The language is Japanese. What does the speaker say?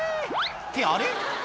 「ってあれ？